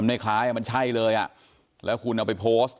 ไม่คล้ายอ่ะมันใช่เลยอ่ะแล้วคุณเอาไปโพสต์